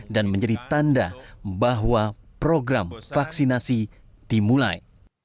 dan menjadi tanda bahwa program vaksinasi dimulai